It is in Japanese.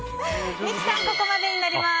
三木さんはここまでになります。